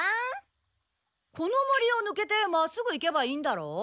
この森をぬけてまっすぐ行けばいいんだろう？